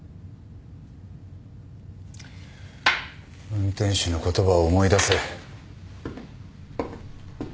運転手の言葉を思い出せ。